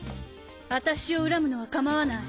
あたしを恨むのはかまわない。